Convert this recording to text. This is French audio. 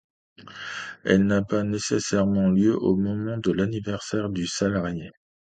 Elle n'a pas nécessairement lieu au moment de l'anniversaire du salarié.